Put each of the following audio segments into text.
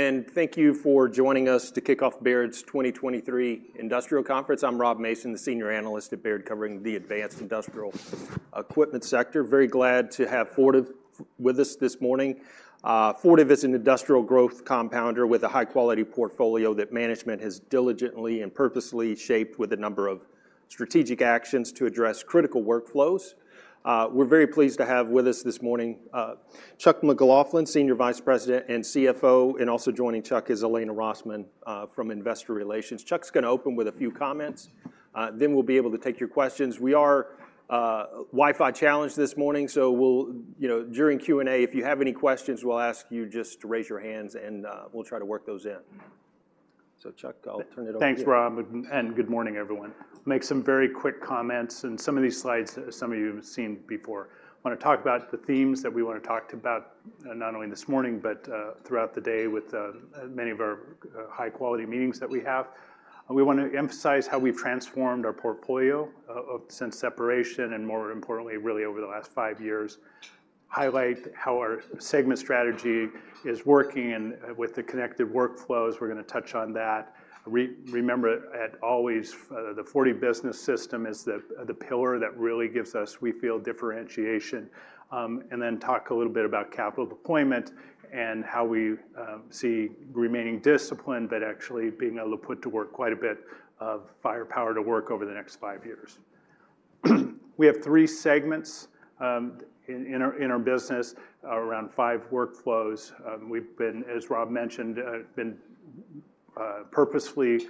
Thank you for joining us to kick off Baird's 2023 Industrial Conference. I'm Rob Mason, the senior analyst at Baird, covering the advanced industrial equipment sector. Very glad to have Fortive with us this morning. Fortive is an industrial growth compounder with a high-quality portfolio that management has diligently and purposely shaped with a number of strategic actions to address critical workflows. We're very pleased to have with us this morning, Chuck McLaughlin, Senior Vice President and CFO, and also joining Chuck is Elena Rosman, from Investor Relations. Chuck's gonna open with a few comments, then we'll be able to take your questions. We are, Wi-Fi-challenged this morning, so we'll. You know, during Q&A, if you have any questions, we'll ask you just to raise your hands, and, we'll try to work those in. Chuck, I'll turn it over to you. Thanks, Rob, and good morning, everyone. Make some very quick comments, and some of these slides, some of you have seen before. I wanna talk about the themes that we wanna talk about, not only this morning, but throughout the day with many of our high-quality meetings that we have. We wanna emphasize how we've transformed our portfolio since separation, and more importantly, really, over the last five years. Highlight how our segment strategy is working and with the connected workflows, we're gonna touch on that. Remember, always, the Fortive Business System is the pillar that really gives us, we feel, differentiation. Talk a little bit about capital deployment and how we see remaining disciplined, but actually being able to put to work quite a bit of firepower to work over the next five years. We have three segments in our business, around five workflows. We've been, as Rob mentioned, purposefully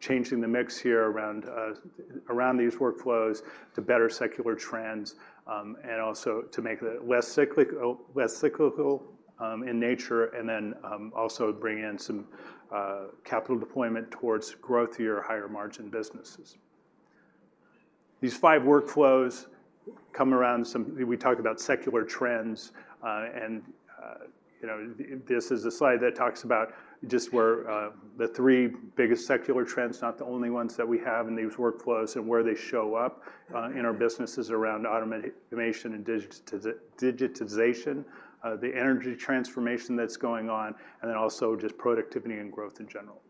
changing the mix here around these workflows to better secular trends, and also to make it less cyclical in nature, and then also bring in some capital deployment towards growth or higher margin businesses. These five workflows come around some... We talk about secular trends, and, you know, this is a slide that talks about just where the three biggest secular trends, not the only ones that we have in these workflows, and where they show up in our businesses around automation and digitization, the energy transformation that's going on, and then also just productivity and growth in general.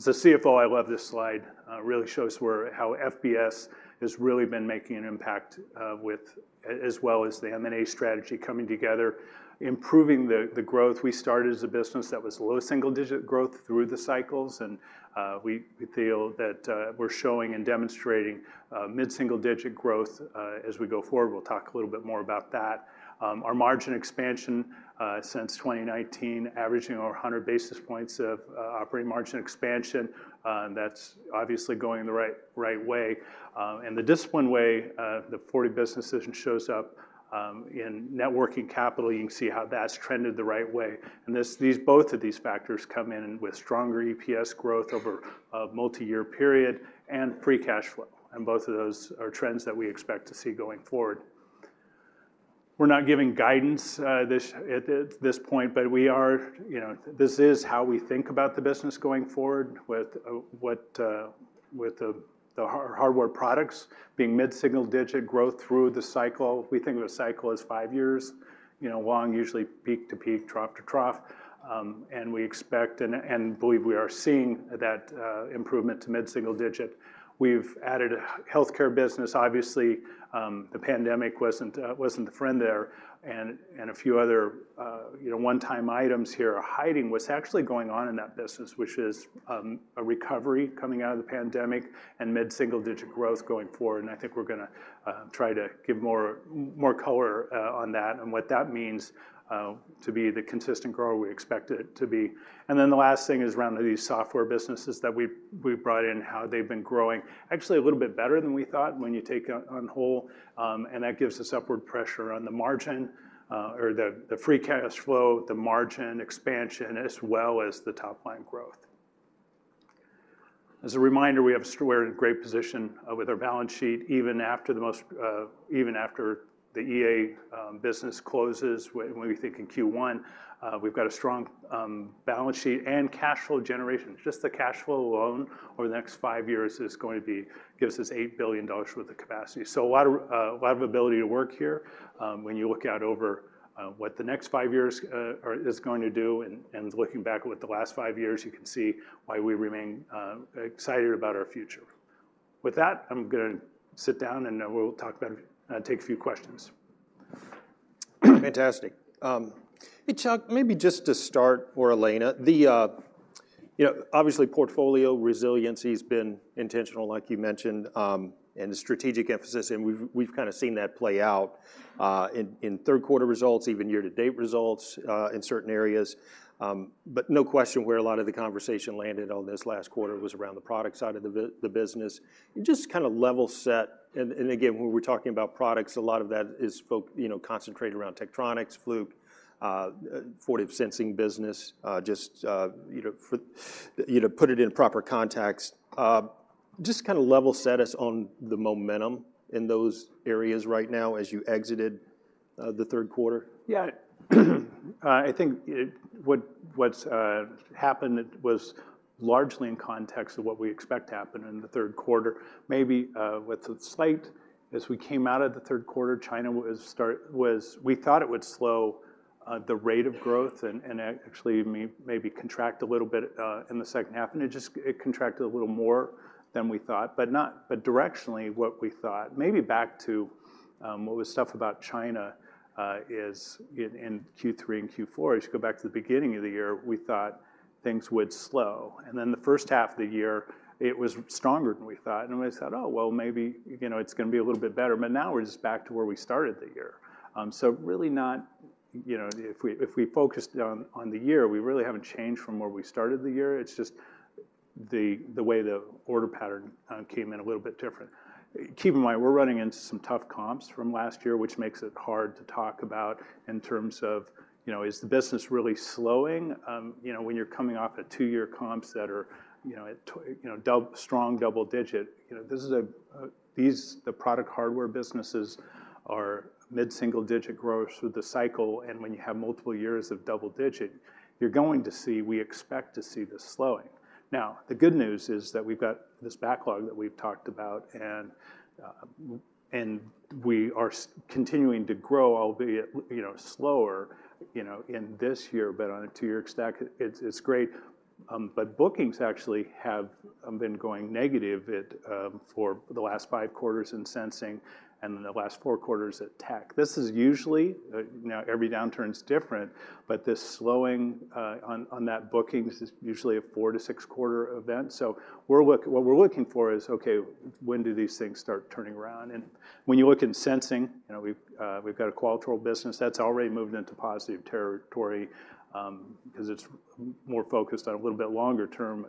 As a CFO, I love this slide. It really shows how FBS has really been making an impact, with as well as the M&A strategy coming together, improving the growth. We started as a business that was low single digit growth through the cycles, and we feel that we're showing and demonstrating mid-single digit growth. As we go forward, we'll talk a little bit more about that. Our margin expansion since 2019, averaging over 100 basis points of operating margin expansion, and that's obviously going in the right, right way. And the disciplined way the Fortive Business System shows up in net working capital. You can see how that's trended the right way, and this, these, both of these factors come in with stronger EPS growth over a multi-year period and free cash flow, and both of those are trends that we expect to see going forward. We're not giving guidance at this point, but we are... You know, this is how we think about the business going forward, with the hardware products being mid-single digit growth through the cycle. We think of a cycle as 5 years, you know, long, usually peak to peak, trough to trough. We expect and believe we are seeing that improvement to mid-single-digit. We've added a healthcare business. Obviously, the pandemic wasn't a friend there, and a few other, you know, one-time items here are hiding what's actually going on in that business, which is a recovery coming out of the pandemic and mid-single-digit growth going forward, and I think we're gonna try to give more color on that and what that means to be the consistent grower we expect it to be, and then the last thing is around these software businesses that we've brought in, how they've been growing. Actually, a little bit better than we thought when you take it on whole, and that gives us upward pressure on the margin, or the, the free cash flow, the margin expansion, as well as the top-line growth. As a reminder, we're in a great position with our balance sheet, even after the most, even after the EA business closes, when we think in Q1. We've got a strong balance sheet and cash flow generation. Just the cash flow alone over the next five years is going to be... gives us $8 billion worth of capacity. Aot of, a lot of ability to work here. When you look out over what the next five years are going to do and looking back over the last five years, you can see why we remain excited about our future. With that, I'm gonna sit down, and then we'll take a few questions. Fantastic. Hey, Chuck, maybe just to start for Elena, the, you know, obviously, portfolio resiliency has been intentional, like you mentioned, and the strategic emphasis, and we've, we've kinda seen that play out, in, in third quarter results, even year-to-date results, in certain areas. But no question where a lot of the conversation landed on this last quarter was around the product side of the business. Just to kinda level set, and, again, when we're talking about products, a lot of that is you know, concentrated around Tektronix, Fluke, Fortive Sensing business. Just, you know, put it in proper context. Just kinda level set us on the momentum in those areas right now as you exited, the third quarter. I think what happened was largely in the context of what we expect to happen in the third quarter. Maybe with a slight, as we came out of the third quarter, China was-- we thought it would slow the rate of growth and actually maybe contract a little bit in the second half, and it just contracted a little more than we thought, but directionally what we thought. Maybe back to what was tough about China is in Q3 and Q4, as you go back to the beginning of the year, we thought things would slow. The first half of the year, it was stronger than we thought, and we said, "Oh, well, maybe, you know, it's gonna be a little bit better," but now we're just back to where we started the year. So really not, you know, if we focused on the year, we really haven't changed from where we started the year. It's just the way the order pattern came in a little bit different. Keep in mind, we're running into some tough comps from last year, which makes it hard to talk about in terms of, you know, is the business really slowing? You know, when you're coming off a two-year comps that are, you know, at strong double digit, you know, this is a... these, the product hardware businesses are mid-single-digit growth with the cycle, and when you have multiple years of double digit, you're going to see, we expect to see this slowing. Now, the good news is that we've got this backlog that we've talked about, and and we are continuing to grow, albeit, you know, slower, you know, in this year, but on a 2-year stack, it's, it's great. But bookings actually have been going negative at for the last 5 quarters in Sensing and then the last 4 quarters at Tek. This is usually, now, every downturn is different, but this slowing on that bookings is usually a 4-6 quarter event. What we're looking for is, okay, when do these things start turning around? When you look in Sensing, you know, we've got a Qualitrol business that's already moved into positive territory, 'cause it's more focused on a little bit longer term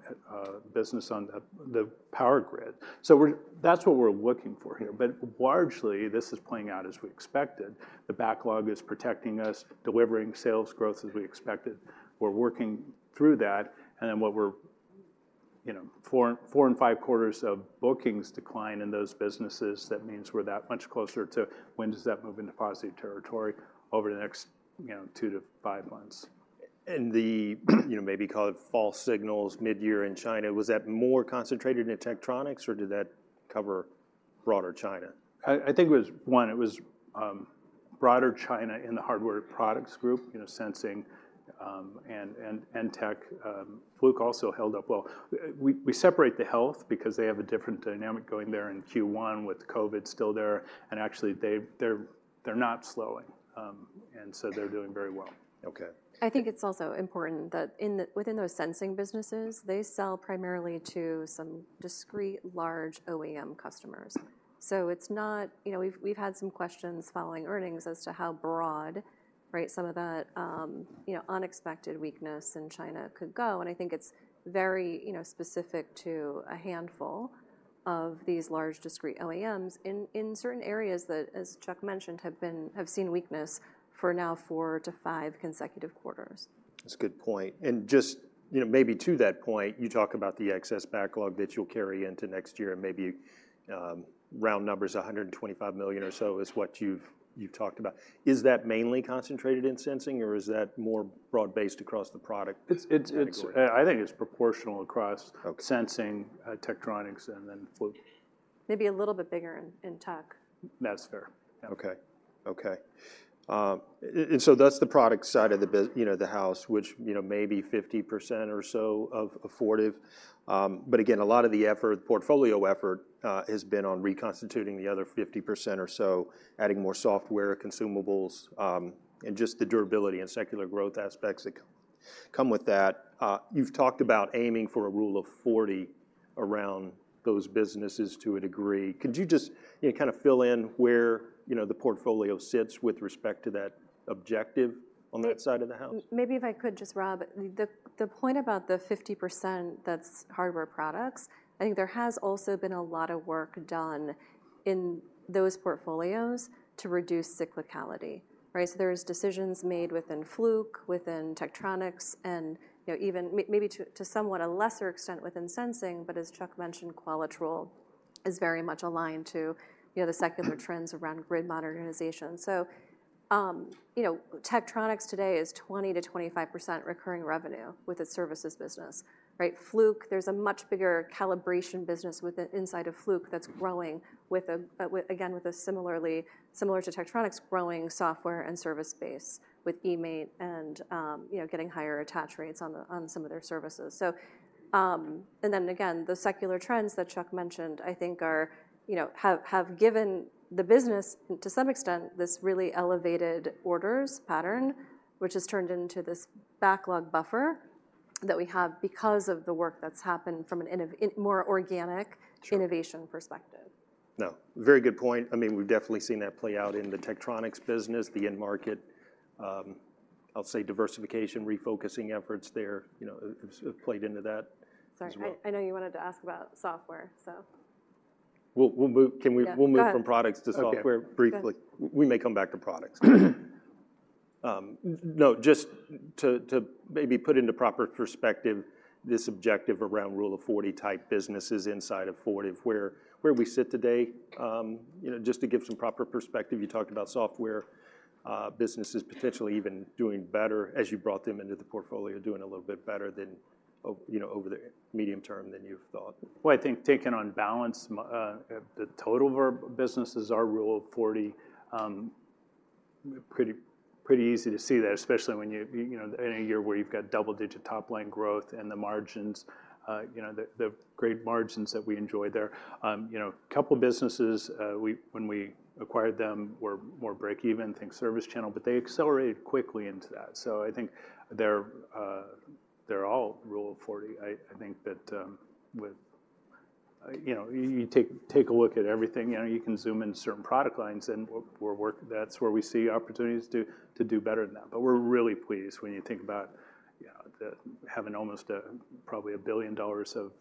business on the power grid. So that's what we're looking for here, but largely, this is playing out as we expected. The backlog is protecting us, delivering sales growth as we expected. We're working through that, and then what we're you know, 4, 4 and 5 quarters of bookings decline in those businesses, that means we're that much closer to when does that move into positive territory over the next, you know, 2-5 months. The, you know, maybe call it false signals midyear in China, was that more concentrated in Tektronix, or did that cover broader China? I think it was one. It was broader China in the hardware products group, you know, Sensing, and Tek. Fluke also held up well. We separate the health because they have a different dynamic going there in Q1 with COVID still there, and actually, they're not slowing. And so they're doing very well. Okay. I think it's also important that within those Sensing businesses, they sell primarily to some discrete large OEM customers. It's not... You know, we've had some questions following earnings as to how broad, right, some of that, you know, unexpected weakness in China could go, and I think it's very, you know, specific to a handful of these large discrete OEMs in certain areas that, as Chuck mentioned, have seen weakness for now 4-5 consecutive quarters. That's a good point. To that point, you talk about the excess backlog that you'll carry into next year and maybe, round numbers, $125 million or so is what you've, you've talked about. Is that mainly concentrated in sensing, or is that more broad-based across the product- It's. category? I think it's proportional across- Okay... sensing, Tektronix, and then Fluke. Maybe a little bit bigger in tech. That's fair. Okay. Okay. That's the product side of the business, you know, the house, which, you know, may be 50% or so of Fortive, but again, a lot of the effort, portfolio effort, has been on reconstituting the other 50% or so, adding more software, consumables, and just the durability and secular growth aspects that come with that. You've talked about aiming for a Rule of 40 around those businesses to a degree. Could you just, you know, kind of fill in where, you know, the portfolio sits with respect to that objective on that side of the house? Maybe if I could just, Rob, the point about the 50%, that's hardware products, I think there has also been a lot of work done in those portfolios to reduce cyclicality, right? So there's decisions made within Fluke, within Tektronix, and, you know, even maybe to somewhat a lesser extent within sensing, but as Chuck mentioned, Qualitrol is very much aligned to, you know, the secular trends around grid modernization. So, you know, Tektronix today is 20%-25% recurring revenue with its services business, right? Fluke, there's a much bigger calibration business inside of Fluke that's growing, but with, again, a similar to Tektronix, growing software and service base with eMaint and, you know, getting higher attach rates on some of their services. The secular trends that Chuck mentioned, I think are, you know, have given the business, to some extent, this really elevated orders pattern, which has turned into this backlog buffer that we have because of the work that's happened from an innovation in more organic- Sure... innovation perspective. No, very good point. I mean, we've definitely seen that play out in the Tektronix business, the end market. I'll say diversification, refocusing efforts there, you know, have played into that as well. Sorry, I know you wanted to ask about software, so. We'll move. Can we? Yeah, go ahead. We'll move from products to software- Okay... briefly. Go ahead. We may come back to products.... No, just to maybe put into proper perspective this objective around Rule of 40-type businesses inside of Fortive, where we sit today, you know, just to give some proper perspective, you talked about software businesses potentially even doing better as you brought them into the portfolio, doing a little bit better than you know, over the medium term than you thought. Well, I think taken on balance, the total of our businesses, our Rule of 40, pretty easy to see that, especially when you know, in a year where you've got double-digit top-line growth and the margins, you know, the great margins that we enjoy there. You know, a couple businesses, we—when we acquired them, were more break even, think ServiceChannel, but they accelerated quickly into that. I think they're all Rule of 40. I think that, with... You know, you take a look at everything, you know, you can zoom in certain product lines, and that's where we see opportunities to do better than that. We're really pleased when you think about, yeah, having almost, probably $1 billion of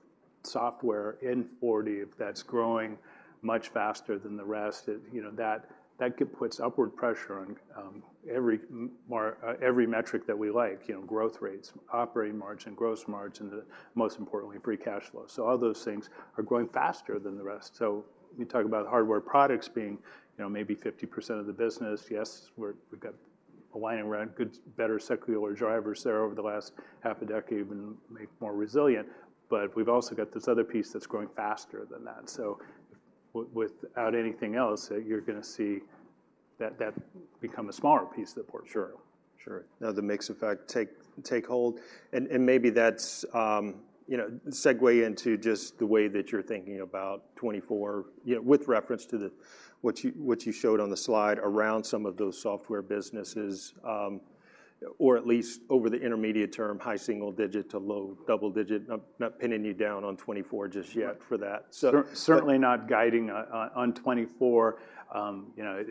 software in Fortive that's growing much faster than the rest. It, you know, that, that puts upward pressure on, every metric that we like, you know, growth rates, operating margin, gross margin, and most importantly, free cash flow., so all those things are growing faster than the rest, so when you talk about hardware products being, you know, maybe 50% of the business, yes, we've got a lot around good, better secular drivers there over the last half a decade, even make more resilient. We've also got this other piece that's growing faster than that. Without anything else, you're gonna see that, that become a smaller piece of the portfolio. Sure. Sure. Now, the mix effect take hold, and maybe that's, you know, a segue into just the way that you're thinking about 2024, you know, with reference to what you showed on the slide around some of those software businesses, or at least over the intermediate term, high single digit to low double digit. I'm not pinning you down on 2024 just yet for that. So- Certainly not guiding on 2024. You know,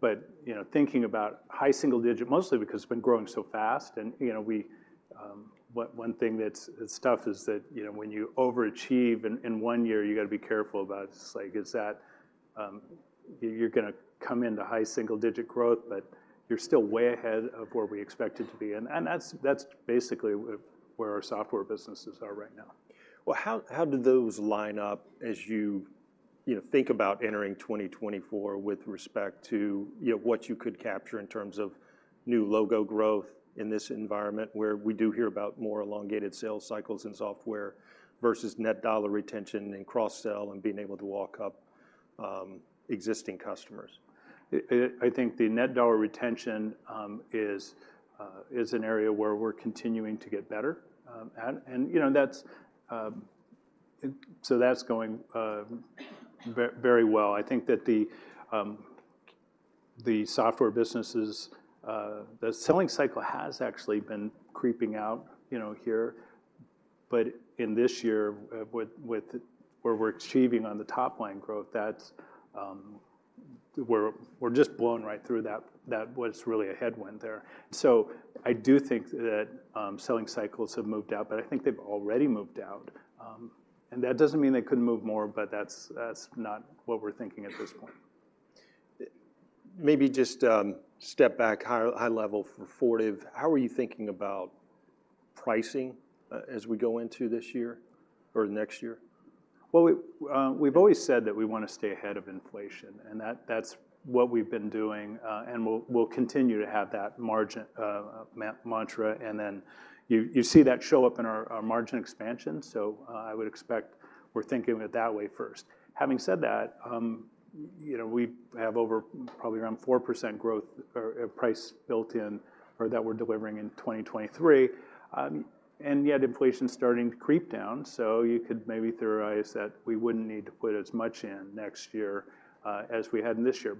but thinking about high single-digit, mostly because it's been growing so fast, and you know, one thing that's tough is that you know, when you overachieve in one year, you've got to be careful about, it's like, you're gonna come into high single-digit growth, but you're still way ahead of where we expected to be. And that's basically where our software businesses are right now. Well, how, how do those line up as you, you know, think about entering 2024 with respect to, you know, what you could capture in terms of new logo growth in this environment, where we do hear about more elongated sales cycles in software versus net dollar retention and cross-sell and being able to walk up existing customers? I think the net dollar retention is an area where we're continuing to get better at. And you know, that's going very well. I think that the software businesses, the selling cycle has actually been creeping out, you know, here. In this year, with where we're achieving on the top line growth, that's, we're just blown right through that. That was really a headwind there. I do think that selling cycles have moved out, but I think they've already moved out. And that doesn't mean they couldn't move more, but that's not what we're thinking at this point. Maybe just step back high-level for Fortive, how are you thinking about pricing as we go into this year or next year? Well, we've always said that we wanna stay ahead of inflation, and that's what we've been doing, and we'll continue to have that margin mantra, and then you see that show up in our margin expansion. I would expect we're thinking of it that way first. Having said that, you know, we have over probably around 4% growth or price built in or that we're delivering in 2023, and yet inflation is starting to creep down, so you could maybe theorize that we wouldn't need to put as much in next year as we had in this year.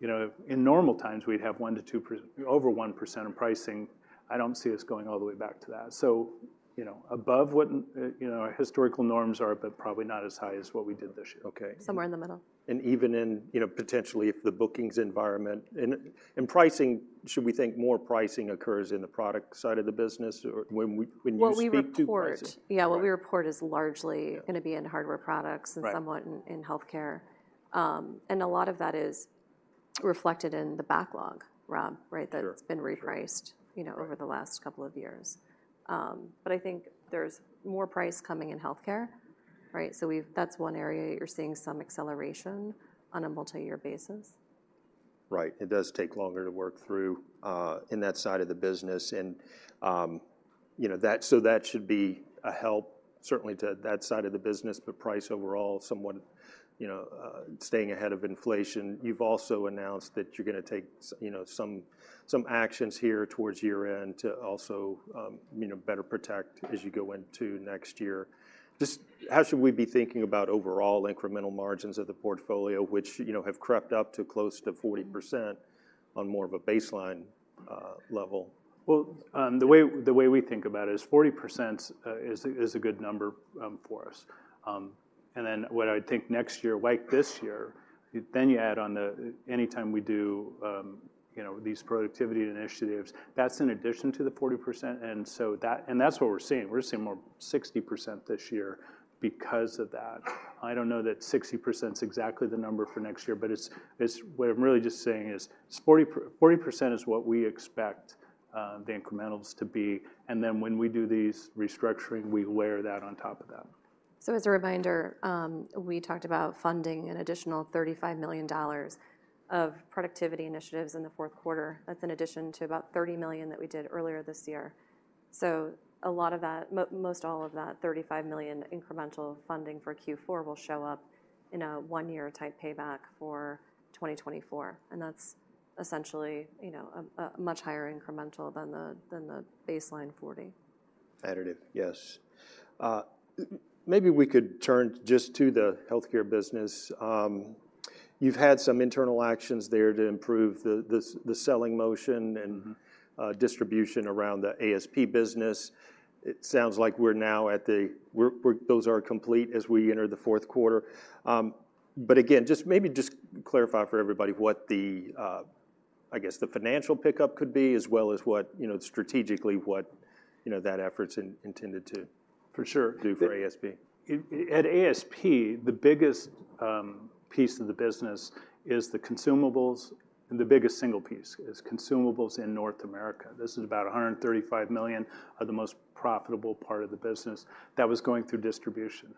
You know, in normal times, we'd have 1-2% over 1% in pricing. I don't see us going all the way back to that. You know, above what, you know, our historical norms are, but probably not as high as what we did this year. Okay. Somewhere in the middle. And even in, you know, potentially, if the bookings environment... And, and pricing, should we think more pricing occurs in the product side of the business or when we- when you speak to pricing? What we report- Right. Yeah, what we report is largely- Yeah... gonna be in hardware products- Right... and somewhat in healthcare. And a lot of that is reflected in the backlog, Rob, right? Sure. That's been repriced- Sure... you know, over the last- Right... couple of years. But I think there's more price coming in healthcare, right? So we've-- that's one area you're seeing some acceleration on a multi-year basis. Right. It does take longer to work through in that side of the business. That should be a help, certainly to that side of the business, but price overall, somewhat staying ahead of inflation. You've also announced that you're gonna take some actions here towards year-end to also better protect as you go into next year. Just how should we be thinking about overall incremental margins of the portfolio, which have crept up to close to 40% on more of a baseline level? Well, the way we think about it is 40%, is a good number for us. And then what I would think next year, like this year, then you add on the... Anytime we do, you know, these productivity initiatives, that's in addition to the 40%, and so that's what we're seeing. We're seeing more 60% this year because of that. I don't know that 60% is exactly the number for next year, but it's what I'm really just saying is 40% is what we expect, the incrementals to be, and then when we do these restructuring, we layer that on top of that.... So as a reminder, we talked about funding an additional $35 million of productivity initiatives in the fourth quarter. That's in addition to about $30 million that we did earlier this year. A lot of that, most all of that $35 million incremental funding for Q4 will show up in a one-year type payback for 2024, and that's essentially, you know, a much higher incremental than the baseline 40. Additive, yes. Maybe we could turn just to the healthcare business. You've had some internal actions there to improve the selling motion and- Mm-hmm... distribution around the ASP business. It sounds like we're now at the those are complete as we enter the fourth quarter. Again, just maybe just clarify for everybody what the, I guess, the financial pickup could be, as well as what, you know, strategically, what, you know, that effort's intended to- For sure -do for ASP. At ASP, the biggest piece of the business is the consumables, and the biggest single piece is consumables in North America. This is about $135 million, are the most profitable part of the business that was going through distribution.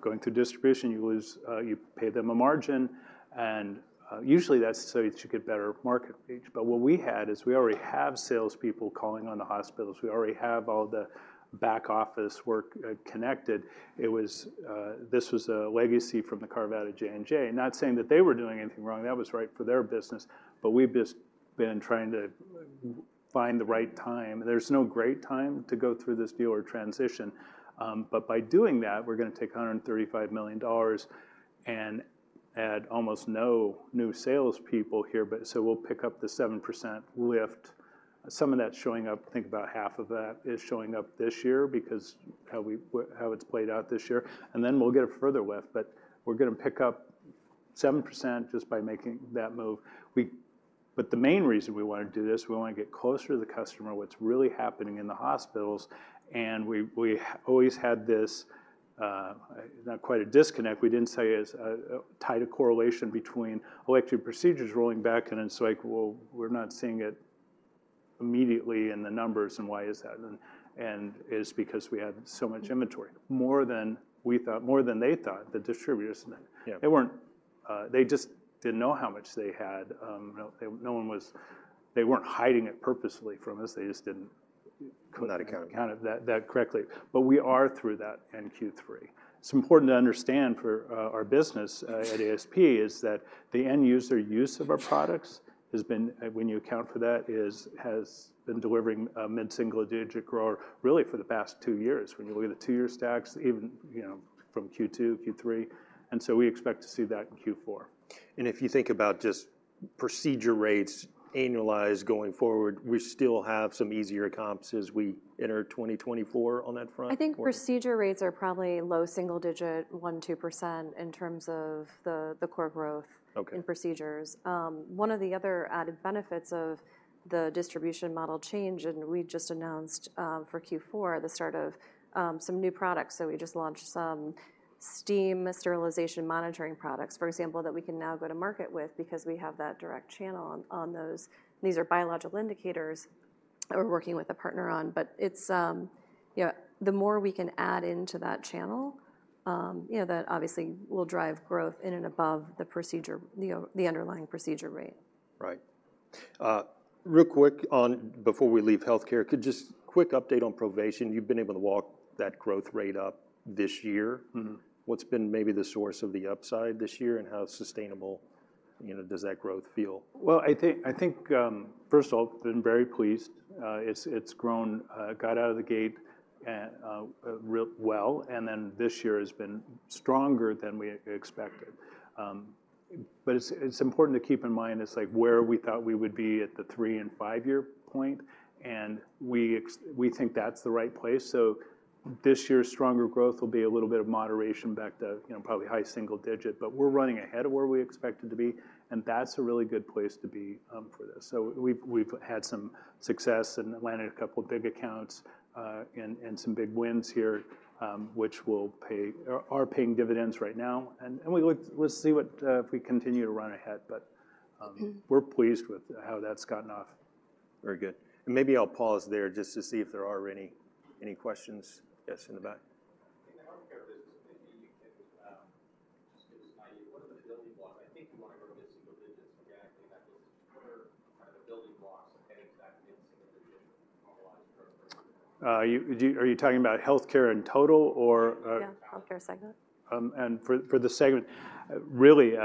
Going through distribution, you lose, you pay them a margin, and usually, that's so that you get better market reach, but what we had is we already have salespeople calling on the hospitals. We already have all the back-office work connected. It was, this was a legacy from the carve-out of J&J. Not saying that they were doing anything wrong, that was right for their business, but we've just been trying to find the right time. There's no great time to go through this dealer transition, but by doing that, we're gonna take $135 million and add almost no new salespeople here, but so we'll pick up the 7% lift. Some of that's showing up, think about half of that is showing up this year because how it's played out this year, and then we'll get a further lift. We're gonna pick up 7% just by making that move. But the main reason we wanna do this, we wanna get closer to the customer, what's really happening in the hospitals, and we always had this, not quite a disconnect, we didn't say it as a tight correlation between elective procedures rolling back, and it's like, well, we're not seeing it immediately in the numbers, and why is that? It is because we had so much inventory, more than we thought, more than they thought, the distributors. Yeah. They weren't... they just didn't know how much they had. No one was-- They weren't hiding it purposely from us, they just didn't- Count that account.... count it, that, that correctly. We are through that in Q3. It's important to understand for our business at ASP is that the end user use of our products has been, when you account for that, has been delivering mid-single-digit growth, really for the past two years. When you look at the two-year stacks, even, you know, from Q2, Q3, and so we expect to see that in Q4. If you think about just procedure rates, annualized going forward, we still have some easier comps as we enter 2024 on that front? I think procedure rates are probably low single-digit, 1%-2%, in terms of the core growth- Okay... in procedures. One of the other added benefits of the distribution model change, and we just announced for Q4, the start of some new products. So we just launched some steam sterilization monitoring products, for example, that we can now go to market with because we have that direct channel on those. These are biological indicators that we're working with a partner on, but it's... Yeah, the more we can add into that channel, you know, that obviously will drive growth in and above the procedure, the underlying procedure rate. Right. Real quick on before we leave healthcare, could you just quick update on Provation? You've been able to walk that growth rate up this year. Mm-hmm. What's been maybe the source of the upside this year, and how sustainable, you know, does that growth feel? Well, I think, first of all, I've been very pleased. It's grown, got out of the gate real well, and then this year has been stronger than we expected. But it's important to keep in mind, it's like where we thought we would be at the 3- and 5-year point, and we think that's the right place. So this year's stronger growth will be a little bit of moderation back to, you know, probably high single digit, but we're running ahead of where we expected to be, and that's a really good place to be, for this. We've had some success and landed a couple of big accounts, and some big wins here, which are paying dividends right now. And we'll see what if we continue to run ahead, but. Mm-hmm... we're pleased with how that's gotten off. Very good. Maybe I'll pause there just to see if there are any, any questions. Yes, in the back. In the healthcare business, maybe you can, just guide me, what are the building blocks? I think you want to grow mid-single digits organically. That is, what are the kind of building blocks of getting to that mid-single digit normalized growth? You do. Are you talking about healthcare in total or Yeah, healthcare segment. And for the segment, really,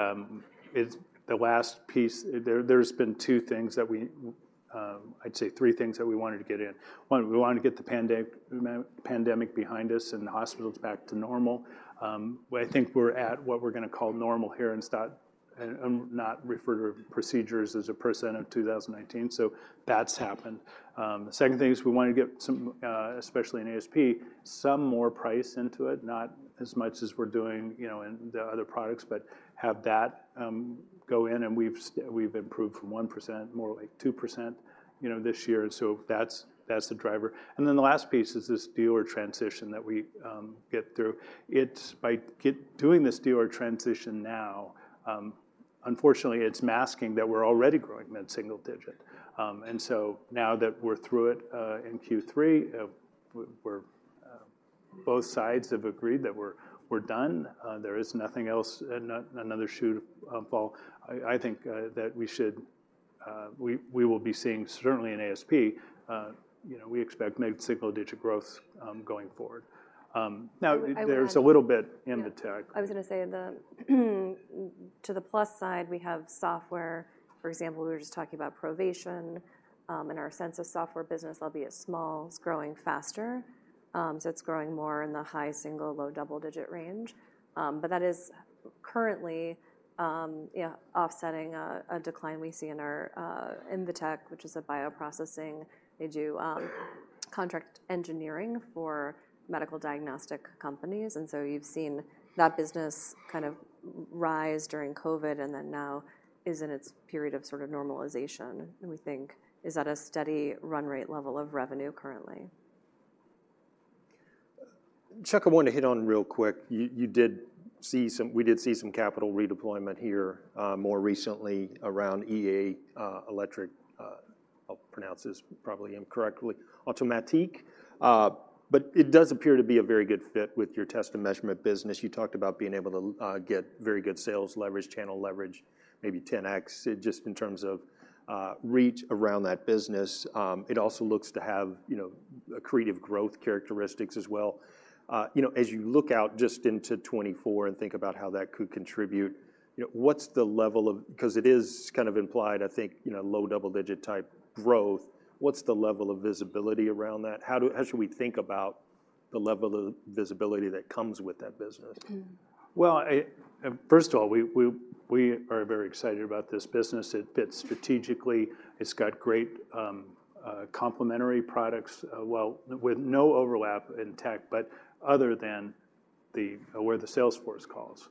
it's the last piece. There's been two things that we—I'd say three things that we wanted to get in. One, we wanted to get the pandemic behind us and the hospitals back to normal. Well, I think we're at what we're gonna call normal here and start. And not refer to procedures as a percent of 2019, so that's happened. The second thing is we wanted to get some, especially in ASP, some more price into it, not as much as we're doing, you know, in the other products, but have that go in, and we've improved from 1%, more like 2%, you know, this year. That's the driver. The last piece is this dealer transition that we get through. It's by getting this dealer transition now. Unfortunately, it's masking that we're already growing mid-single-digit. And so now that we're through it, in Q3, both sides have agreed that we're done. There is nothing else, another shoe to fall. I think that we will be seeing certainly in ASP, you know, we expect maybe single-digit growth going forward. Now- I want to- There's a little bit Invetech. I was gonna say the, to the plus side, we have software, for example, we were just talking about Provation, and our Censis software business, albeit small, it's growing faster. So it's growing more in the high single, low double-digit range. That is currently offsetting a decline we see in our, Invetech, which is a bioprocessing. They do contract engineering for medical diagnostic companies, and so you've seen that business kind of rise during COVID, and then now is in its period of sort of normalization, and we think is at a steady run rate level of revenue currently. Chuck, I want to hit on real quick. You did see some—we did see some capital redeployment here, more recently around EA Elektro-Automatik. I'll pronounce this probably incorrectly. It does appear to be a very good fit with your test and measurement business. You talked about being able to get very good sales leverage, channel leverage, maybe 10x, just in terms of reach around that business. It also looks to have, you know, accretive growth characteristics as well. As you look out just into 2024 and think about how that could contribute, you know, what's the level of... 'Cause it is kind of implied, I think, you know, low double-digit type growth, what's the level of visibility around that? How should we think about the level of visibility that comes with that business? Mm. Well, first of all, we are very excited about this business. It fits strategically. It's got great complementary products, well, with no overlap in tech, but other than where the salesforce calls.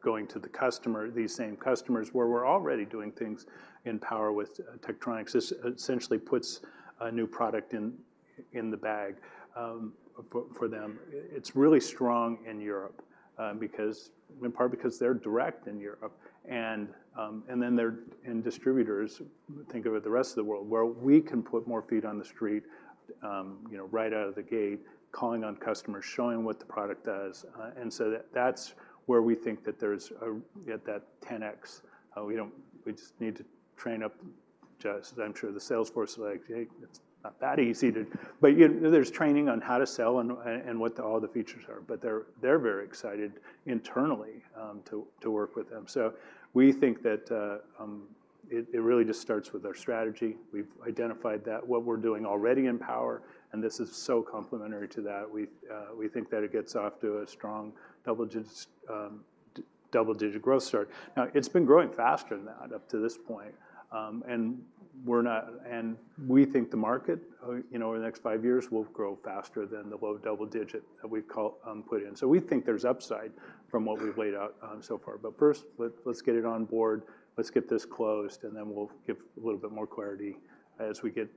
Going to the customer, these same customers, where we're already doing things in power with Tektronix, this essentially puts a new product in the bag for them. It's really strong in Europe, because, in part because they're direct in Europe, and then they're in distributors. Think about the rest of the world, where we can put more feet on the street, you know, right out of the gate, calling on customers, showing what the product does. That's where we think that there's a yet that 10x, we just need to train up. Just, I'm sure the sales force is like, "Hey, it's not that easy to..." But, you know, there's training on how to sell and, and what all the features are, but they're, they're very excited internally to work with them. We think that it really just starts with our strategy. We've identified that what we're doing already in power, and this is so complementary to that. We think that it gets off to a strong double-digit growth start. Now, it's been growing faster than that up to this point. And we're not-- and we think the market, you know, in the next five years will grow faster than the low double-digit that we've put in. We think there's upside from what we've laid out so far. First, let's get it on board, let's get this closed, and then we'll give a little bit more clarity as we get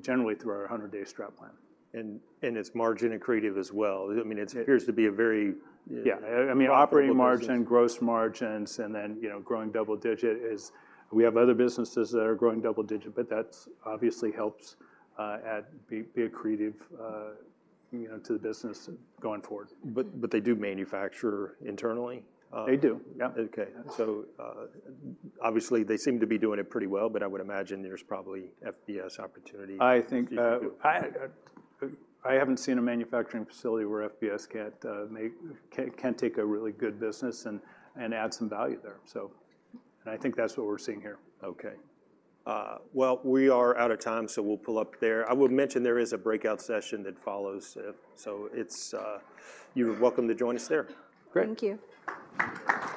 generally through our 100-day strategic plan. It's margin and accretive as well. I mean, it appears to be a very- Yeah, I mean, operating margin-... operating business - gross margins, and then, you know, growing double-digit is—we have other businesses that are growing double-digit, but that's obviously helps to be accretive, you know, to the business going forward. They do manufacture internally? They do. Yeah. Okay. Obviously, they seem to be doing it pretty well, but I would imagine there's probably FBS opportunity. I think, If you could- I haven't seen a manufacturing facility where FBS can't take a really good business and add some value there. I think that's what we're seeing here. Okay. Well, we are out of time, so we'll pull up there. I would mention there is a breakout session that follows, so it's, you're welcome to join us there. Great. Thank you.